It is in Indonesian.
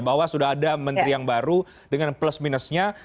bahwa sudah ada menteri yang baru dengan plus minusnya